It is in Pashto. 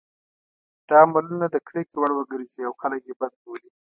دا عملونه د کرکې وړ وګرځي او خلک یې بد بولي.